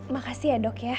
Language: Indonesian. makasih ya dok ya